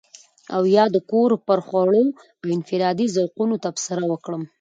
او يا د کور پر خوړو او انفرادي ذوقونو تبصره وکړم.